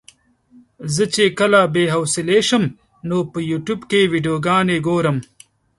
زه چې کله بې حوصلې شم نو په يوټيوب کې ويډيوګانې ګورم.